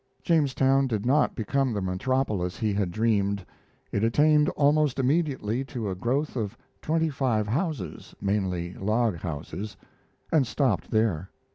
Jamestown did not become the metropolis he had dreamed. It attained almost immediately to a growth of twenty five houses mainly log houses and stopped there.